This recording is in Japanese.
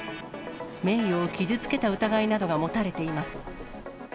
名誉を傷つけた疑いなどが持たれています。